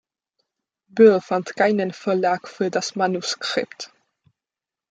Böll fand keinen Verlag für das Manuskript.